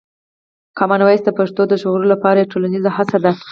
کامن وایس د پښتو د ژغورلو لپاره یوه ټولنیزه هڅه ده.